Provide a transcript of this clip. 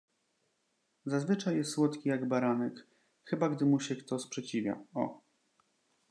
"zazwyczaj jest słodki jak baranek; chyba gdy mu się kto sprzeciwia, o!"